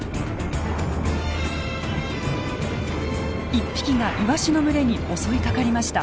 １匹がイワシの群れに襲いかかりました。